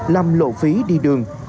làm lộ phí đi đường